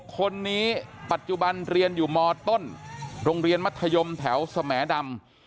คนนี้ปัจจุบันเรียนอยู่มต้นโรงเรียนมัธยมแถวสแหมดำ